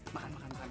nih nih makan makan